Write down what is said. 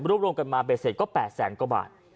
รวบรวมกันมาไปเสร็จก็๘แสนกว่าบาท